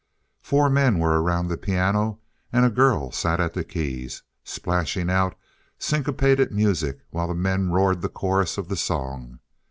Four men were around the piano, and a girl sat at the keys, splashing out syncopated music while the men roared the chorus of the song.